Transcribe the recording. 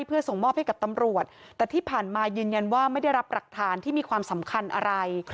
เพื่อส่งมอบให้กับตำรวจแต่ที่ผ่านมายืนยันว่าไม่ได้รับหลักฐานที่มีความสำคัญอะไร